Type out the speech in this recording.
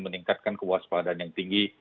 meningkatkan kewaspadaan yang tinggi